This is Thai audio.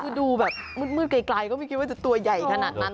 คือดูแบบมืดไกลก็ไม่คิดว่าจะตัวใหญ่ขนาดนั้น